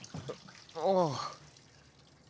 ああ。